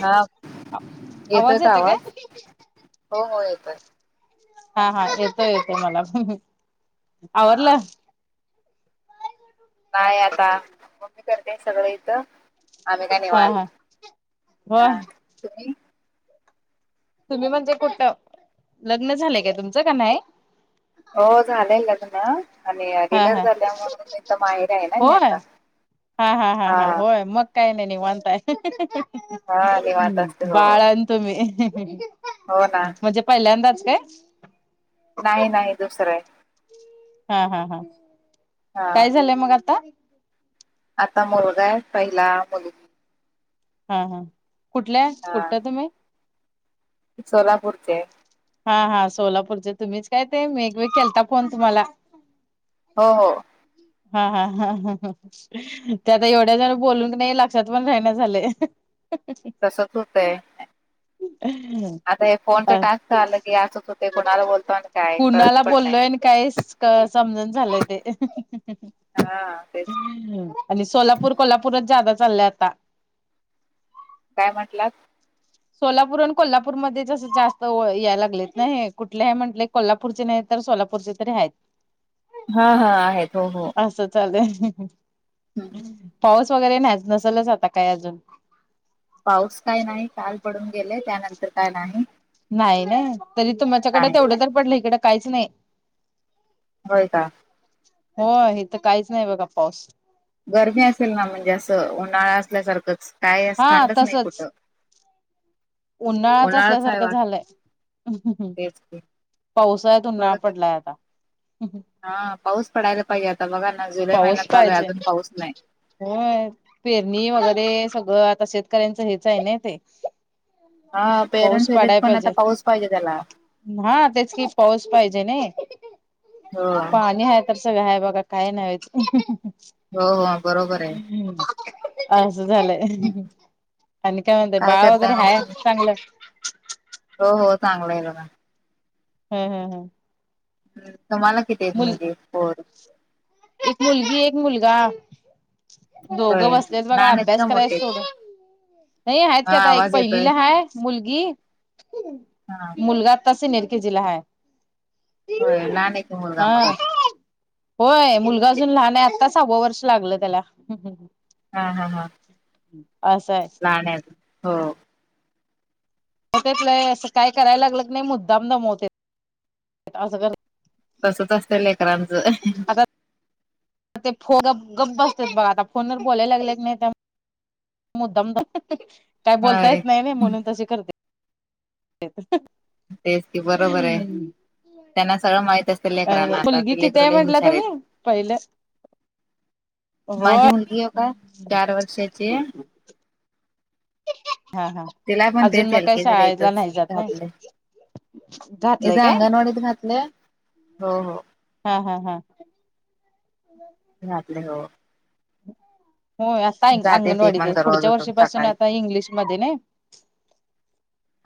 हा आवाज येतोय काय? हो हो येतोय हा हा येतोय येतोय मला पण आवरल? हा नाही आता मम्मी करते सगळं इथं. आम्ही काय हा निवांत, हा हो तुम्ही? तुम्ही म्हणजे कुठं, लग्न झाले काय तुमचं का नाही? हो झालंय लग्न आणि हा डिलिव्हरी हा झाल्या म्हणून इथ तर माहीर आहे ना मी होय आता. हा हा हा हा होय! मग काय नाही निवांत आहे हा निवांत असते हो बाळ आणि तुम्ही, हो ना म्हणजे पहिल्यांदाच काय? नाही नाही दुसरं आहे हा हा हा हा काय झालंय मग आता आता मुलगा आहे पहिला मुलगा हा हा कुठल्या कुठठं तुम्ही सोला बुडते हा हा सोलापूरचे तुम्हीच काय ते मेगवेग केलता फोन तुम्हाला हो हो हा हा हा हा ह ते आता एवढ्या जण बोलून की नाही लक्षात पण राहिण्या झाले तसच होतंय ह् आता हे फोनच टास्क आलं की असच होते कोणाला बोलतो आणि काय कळत पण नाही काही समजण झालंय ते हा तेच आणि सोलापूर कोल्हापूरच जादा चाललंय आता काय म्हटला सोलापूर आणि कोल्हापूरमध्येध्ये जसं जास्त या लागलेत नाही कुठले हे म्हटले कोल्हापूरचे नाही तर सोलापूरचे तरी आहेत हा हा आहेत हो हो असं चाले हम्म. पाऊस वगैरे नाही नसलच आता काय अजून पाऊस काय नाही काल पडून गेले त्यानंतर काय नाही नाही ना तरी तुमच्याकडे नाही नाही तेवढं तर पडलं इकडें काहीच नाही होय का हो हे तर काहीच नाही बघा पाऊस गरमी असेल ना म्हणजे असं उन्हाळा असल्यासारखंच काय अस हा थंडच नाही कुठं उन्हाळा्याच उन्हाळाच आहे असल्यासारखं वाट झालंय ह््् तेच की पावसायत उन्हा थोडं तर पडलाय आता हा पाऊस पडायला पाहिजे आता बघा ना जुलै महिन्यातचालू आहे अजून पाऊस नाही हो पेरणी वगैरे सगळं आता शेतकऱ्यांचं हेच आहे ना ते हा पाऊस पेरेंट्स येतेत पाडाय पण आता पाहिजे पाऊस पाहिजे त्याला हा तेच कि पाऊस पाहिजे नाही हो पाणी ह कस काय बघा काय नाही व्हायच हो हो बरोबर आहे असं झालंय आणि काय म्हणतय बाळ करताय वगैरे मग ह तुम्ही चांगलं हो हो चांगलं आहे बला हम् हम हम ह् तुम्हाला किती येत म्हणजेर एक मुलगी एक मुलगा होय दोघं बसलेत बघा लहान आहेत अभ्यास का मोठे आहेत? करायचोघं नाही आहेत का हा आता एक आवाज येतोय पहिलीला हाय मुलगी हा मुलगा तसे निेरकीे जिला ह आहे होय लहान येत मुलगा हा मगून होय मुलगा अजून लहान आहे आत्ता सहावा वर्ष लागलं त्याला हा हा हां असं आहे लाण्यात हो होतय असं काय करायला लागलं नाही मुद्दाम दमवत असं तसच असत लेकरांचं आता ते फो ग गप् बसतात बघा आता फोन वर बोलायला लागलेत नाही त्या मुद्दम काय बोलता होय येत नाही नाही म्हणून तसे करते तेची बरोबर आहे त्यांना सगळं माहित असते लेकरांना, आता मुलगी ते किती आहे लेकरले म्हटला हुशारेत. तुम्ही पहिलं माझी होय मुलगी एका चार वर्षाचीये. हा हा, तिला पण अजून तेच म एल काही केजी ला शाळला इथंच नाही जात ना. इथ अंगणवाडीत घातल्यास, हो, हो. हा हा हा. घातले हो. हो आता जाते ती पण अंगणवाडीतच, दररोज पुढच्या उठून वर्षीपासून सकाळी आता इंग्लिशमध्ये नाय.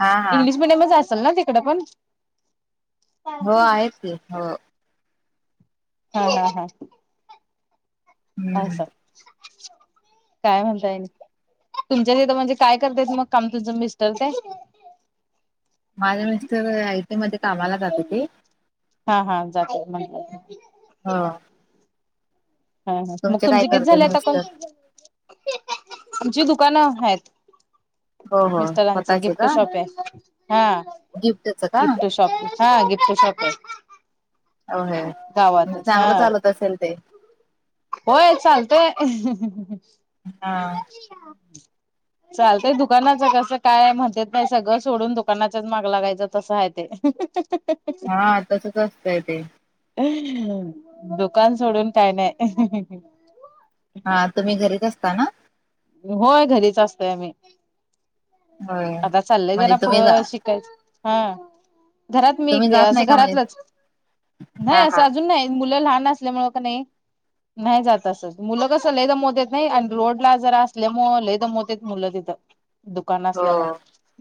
हा हा इंग्लीश मिडयमच असेल ना, तिकडे पण. हो आहेत की, हो. हा हा हा. अा हम्म सर [unintelligible] काय म्हणता ये, तुमच्या तीथ म्हणजे काय करतायते मग काम, तुमचं मिस्टर ते. माझ्या मिस्टर आयटी मध्ये कामाला जात होते. हा हा जातो म्हण हा. हा हा मग काय तुमचे किती करते झाले आता कॉल, मिस्टर आमची दुकानं आहेत. हो हो मिस्टरांचे स्वतःचे गिफ्ट का शॉपे, हा. गिफ्टच का गिफ्ट शॉप, हा गिफ्ट शॉपे. ओये, म्हणजे हा चांगलं चालत असेल ते. होय चालतय. हा. [inaudible] चालतय दुकानाचं कसं काय, म्हणतेत सगळं सोडून दुकानाचाच माग लागायचं तसं आहे ते. [inaudible] हा तसच असतंय ते. दुकान सोडून काय नाय. हा तुम्ही घरीच असता ना. होय घरीच असतोय मी, होय आता चाललय म्हणजे जरा तुम्ही पुढं जा शिक तेच हा. घरात तुम्ही मी जात असं नाही का म्हणजे घरातलंच, नाही हा असं हा अजून नाही. मुलं लहान असल्यामुळ का नाही. नाही जात अस, मुलं कस लई मोठेत नाही, आणि रोडला जर अस असल्यामु लई दमवत्यात मुलं, तिथं दुकान हो असल्यामुळ.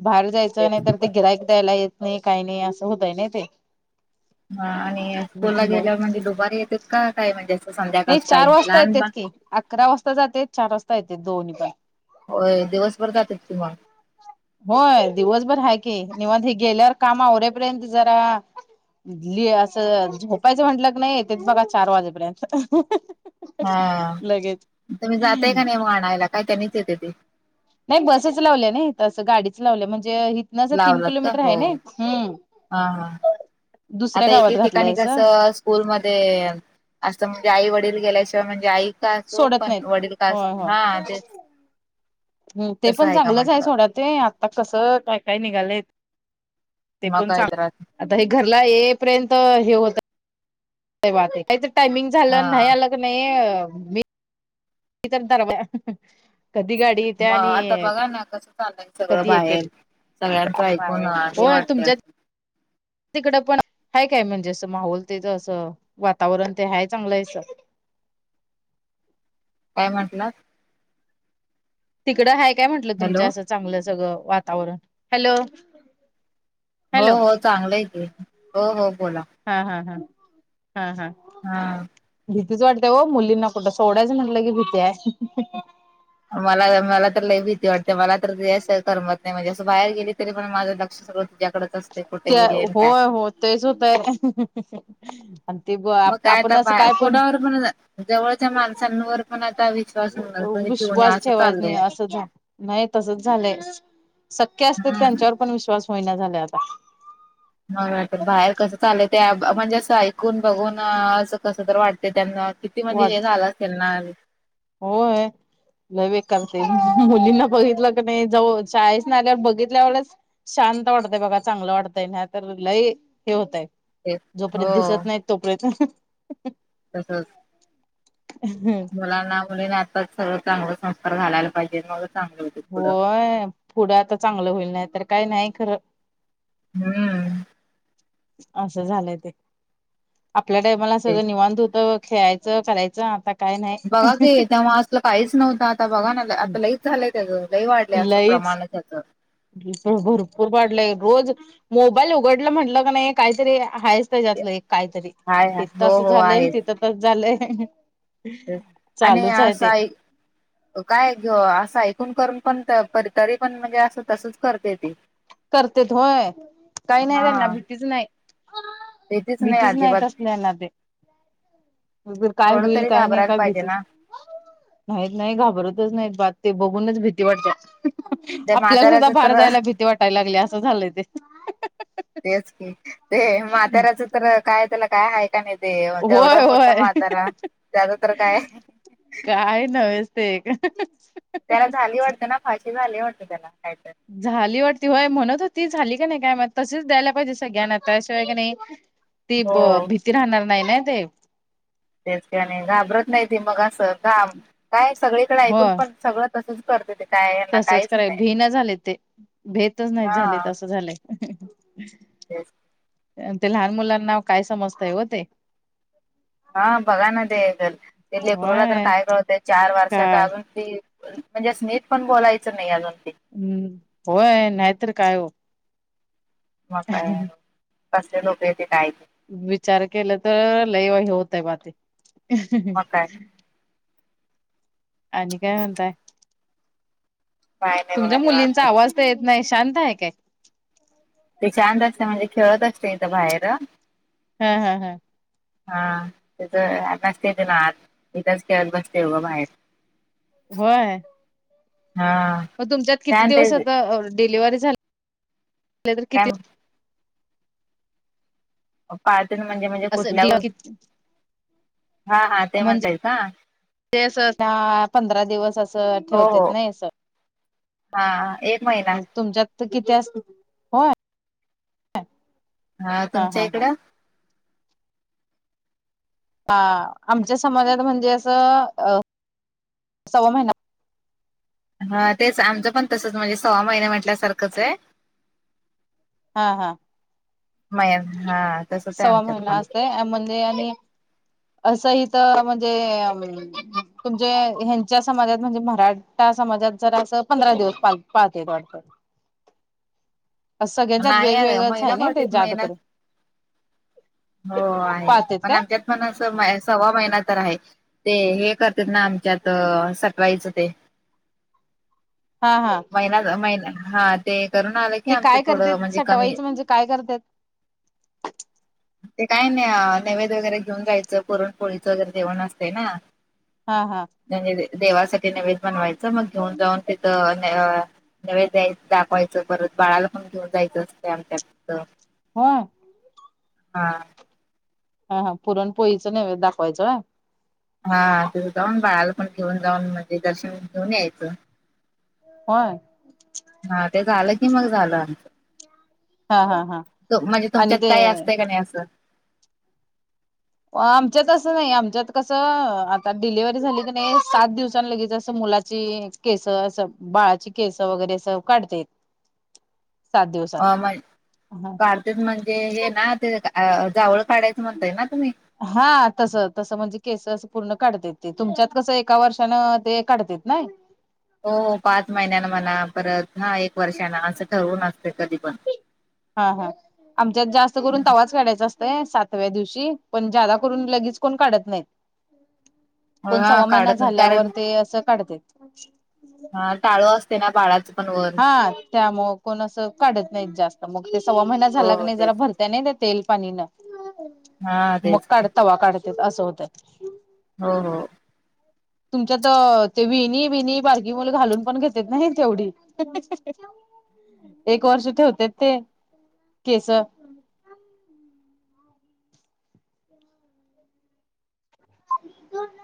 बाहेर जायचं, तेच नाही तर ते गिरायीक द्यायला येत नाही काही नाही असं होतय ना ते. हा आणि स्कूलला मग गेल्यावर म्हणजे, दुपारी येतेात, का काय म्हणजे, असं नाही संध्याकाळच काही चार वाजता लहान येतेत बा की अकरा वाजता जाते, चार वाजता येते, दोन्ही पण. होय दिवसभर जातात ती मग. होय दिवसभर हाय कि, निव गेल्यावर काम आवऱ्यापर्यंत जरा ली असं झोपायचं म्हंटलं क नाही, ते बघा चार वाजेपर्यंत. हा, लगेच. तुम्ही जातय का नाही मग आणायला, काय त्यांनी तेच येते ते. नाही बसेच लावल्या ना इथ, असं गाडीच लावल्या म्हणजे, इथन स तीन लावलात का किलोमीटर आहे हो नाई, ह. हा हा दुसऱ्या गावात घातलायसा. स्कूल मध्ये, असं म्हणजे आई वडील गेल्याशिवाय म्हणजे आई स हो सोडत पण नाहीत वडील कास हा तेच [unintelligible] हम ते तसं पण का चांगलंच आहे म्हंटलं सोडा, ते आत्ता कसं काय काय निघालय, ते मग पण काय चांग, तर हा आता हे घरला ये पर्यंत हे होत, त्याच टायमिंग झालं नाही अल तस नाही मी तर दर बया कधी गाडी मग येत्या आणि आता बघा ना कसं सगळं कधी येते बाहेर सगळ्यांचं ऐकून हे होय वाटते तुमच्या अस तिकडं पण ह काय म्हणजे अस माहोल तेथ असं वातावरण ते हाय चांगलं आहे काय म्हंटलं तिकडं आहे काय म्हटलं तुमच हॅलो असं चांगलं सगळं वातावरण हॅलो हो हॅलो हो चांगलंय ते हो हो बोला हा हा हा हा हा हा भीतीच वाटतेय हो मुलींना कुठं सोडायचं म्हटलं की भीती आहे मला मला तर लय भीती वाटते मला तर करमत नाही म्हणजे असं बाहेर गेली तरी पण माझं लक्ष सगळ तुझ्याकडे त्या होय हो तेच होतय आणि ते ब आपण असं काय पण ण जवळच्या माणसांवर पण आता विश्वास म्हणजे ठेऊणे विश्वास असं ठेवायच नाही चाललंय असं झा नाही तसच झालंय शक्य असते हम्म. त्यांच्यावर पण विश्वास होईना झाला आता ह वाटतं बाहेर कसं चालय ते म्हणजे असं ऐकून बघून असं कसं तर वाटते त्यांना किती म्हज हे झालं असेल ना हो ह लवे करते मुलींना बघितलं की नाही जव शाळेस ना आल्यावर बघितल्या एवढंच शांत वाटतय बघा चांगलं वाटतंय ना तर लही हे होतय ते जोपर्यंत हो. दिसत नाही तोपर्यंत तसंच हम् मुलांना मुलीने आता सगळं चांगलं संस्कार घायला पाहिजे मग चांगले होय पुढं आता चांगलं होईल नाही तर काही नाही खरं हम्म असं झालंय ते आपल्या टाइमाला सगळं निवध होत खेळायचं करायचं आता काय बघा का तेव अस काहीच नव्हतं आता बघा ना आता नाही लईच झालंय त्याचं लय वाढले असं लईच प्रमाण त्याचं भरपूर वाढलंय रोज मोबाईल उघडला म्हटलं का नाही काहीतरी हाय एक काहीतरी हाय तथ हो असं हो झालंय आहे. तिथं तच झालंय तेच आणि चालूच आहे असं ते ऐक काय घ असं ऐकून करून पण तरी पण म्हणजे असं तसच करते ती करतेेत होय काही नाही त्यांना हा भीतीच नाही तेथीच नाही भीतीच अजिबात नाहीत असल्याना ते र काय थोडं होईल तरी काय नाही घाबरायला काय पाहिजे घेतल ना. नाहीत नाही घाबरतच नाहीत बात ते बघूनच भीती वाटतात त्या आपल्याला सुद्धा म्हाताऱ्याच बाहेर तर जायला भीती वाटायला लागली असं झालंय ते तेच की ते माथ्यारा्याचं तर काय त्याला काय आहेय का नाही देव होय तेवढं मोठ होय म्हातारा त्याच तर काय काय न्च ते त्याला झाली वाटतें ना फाशी झाली वाटते त्याला कायतरी झाली वाटती होय म्हणत होती झाली का नाही काय म तसेच द्यायला पाहिजे सगळ्यांना आता अशिवाय काी नाही ती ब हो भीती राहणार नाही ना ते तेच का नाही घाबरत नाही ते मग असं घाम काय सगळीकडे हो ऐकून पण सगळं कसंच करत ते काय यांना तसच काहीच कराय भी नाही झाले ते भेतच नाहीत झाले तसं झालंय ह ते लहान मुलांनाव काय समजतय हो ते हा बघा ना ते तर ते लेकर्रोला तर होय काय कळतय चार वर्षात काय अजून त म्हणजे स् [unintelligible] नत पण बोलायचं नाही अजून ते. हम्म. होय, नाहीतर काय हो. मग काय? कसले लोकय ते काय ते. विचार केलं तर, लई वाही होतय, बा ती. मग काय आणि काय म्हणताय? काय नाही बघा तुमच्या मुलींचा निवांत आवाज तर येत नाही. शांत हाय काय? ते शांत असते. म्हणजे, खेळत असते इथं बाहेर. हा, हा, हा. हा. ते आताच तेेत आत. इथच खेळत बसते उघं बाहेर. होय. हा. मग तुमच्यात किती शांत आहे दिवस ती आता, डिलिव्हरी झा [unintelligible] किती? काय बाळतीन म्हणजे, म्हणजे पूजल्यावर. असं म्हणजे [inaudible] ते असं धा- पंधरा दिवस असं हो ठेवत्यात हो न असं. हा. एक महिना तुमच्यात तर किती अस. होय. हा, तुमच्या इकडं? हा. आमच्या समाजात म्हणजे असं, अ सव्वा महिना. हा, तेच आमचं पण तसंच, म्हणजे सवा महिना म्हटल्या सारखंचय. हा, हा. महा तसचय, सव्वा आमच्यात महिना पण. म्हणजे आणि अस हितं म्हणजे तुमज ह्यांच्या, समाजात म्हणजे मराठा समाजात, जरा असं पंधरा दिवस पाळते वाट [inaudible] सगळ्यांच्यात नाही वेगवेगळच आहे महिना ना, पाळतेत ते जादा महिना करून. हो आहे. पाळतेत पण काय आमच्यात पण अस म सव्वा महिना तर आहे, ते हे करत ना आमच्यात, सटवायचं ते. हा, हा. [unintelligible] महिना हा. ते कर ना. ते काय करतेत. सटवाईचं म्हणजे, काय करतेत? ते काय नाही. नैवेद वगैरे घेऊन जायचं, पुरणपोळीचं वगैरे जेवण असते ना. हा, हा. [unintelligible] देवासाठी नैवद बनवायचं. मग घेऊन जाऊन तिथं नवैद द्याय, दाखवायचं. परत बाळाला पण घेऊन जायच असते आमच्या तिथं. होय हा. हा, हा. पुरण पोळीचं नैवेद्य दाखवायचं होय. हा. तिथं जाऊन बाळाला पण घेऊन जाऊन, म्हणजे दर्शन घेऊन यायचं. होय. हा, ते झालं की मग, झालं आमचं. हा हा हा त म्हणजे आणि तुमच्यात, ते काही असतंय का नाही असं? आमच्यात असं नाही. आमच्यात कसं, आता डिलिव्हरी झाली की नाही. सात दिवसान लगेच असं मुला ची केस, अस बाळाची केस, वगैरे अस काढतेेत. अ म्हण काढतेत म्हणजे हे ना. ते जावळ काढायचं म्हणताय ना तुम्ही. हा तस, तसं म्हणजे केस अस पूर्ण काढतेत. ते तुमच्यात कसं, एका वर्षानं ते काढतेत नाही. हो पाच महिन्यान मना. परत हा एक वर्षान, असं ठरवून असते, कधी पण. हा, हा. आमच्यात जास्त करून, तवाच काढायचा अस तय, सातव्या दिवशी. पण जादा करून लगेच कोण काढत नाहीत. पण हा सव्वा महिना काढत नाही झाल्यावर कारण ते, असं काढतेत. हा टाळू असते ना, बाळाचं पण वर. हा, त्यामुळे कोण अस काढत नाही, जास्त. मग ते सव्वा महिना हो झाला क नाही जरा तेच भर त्याने त्या तेल पाणीन हा मग तेच काढ तवा काढत असं होतं हो हो तुमच्यात ते विणी विणी बारकीी मुलं घालून पण घेतेत नाही तेवढी एक वर्ष ते होते ते केस का दोन